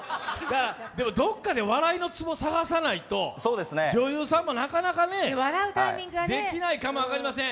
でもどこかで笑いのツボ探さないと女優さんもなかなかね、できないかも分かりません。